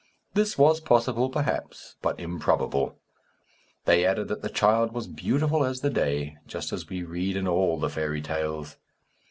This was possible, perhaps, but improbable. They added that the child was beautiful as the day, just as we read in all the fairy tales.